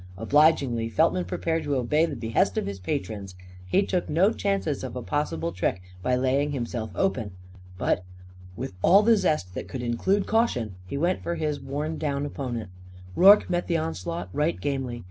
Obligingly, Feltman prepared to obey the behest of his patrons. He took no chances of a possible trick by laying himself open. But, with all the zest that could include caution, he went for his worn down opponent. Rorke met the onslaught right gamely.